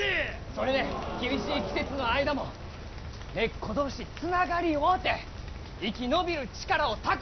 それで厳しい季節の間も根っこ同士つながり合うて生き延びる力を蓄える！